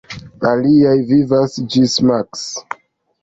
Ilia vivas ĝis maks.